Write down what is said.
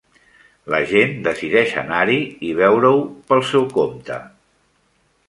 La gent decideix anar-hi i veure-ho pel seu compte.